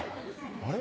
あれ？